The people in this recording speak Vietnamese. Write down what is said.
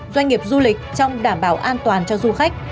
doanh nghiệp du lịch trong đảm bảo an toàn cho du khách